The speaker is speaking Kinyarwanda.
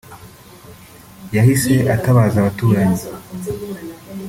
yahise atabaza abaturanyi